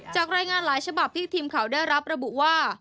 จากรายงานหลายฉบับที่ทีมข่าวได้รับระบุว่า